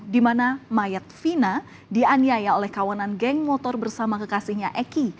di mana mayat fina dianiaya oleh kawanan geng motor bersama kekasihnya eki